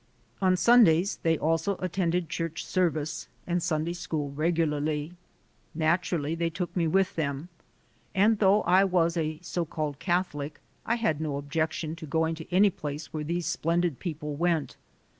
On Sundays they also attended church service and Sunday School regularly. Naturally they took me with them, and though I was a so called Catholic I had no objection to going to any place where these splendid people went.